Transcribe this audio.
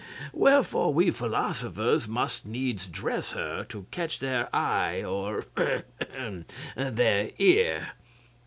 Wherefore we philosophers must needs dress her to catch their eye or ahem! their ear.